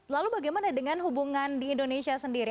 lalu bagaimana dengan hubungan di indonesia sendiri